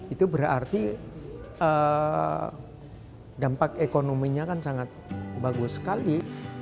itu berarti dampak ekonominya kan sangat bagus sekali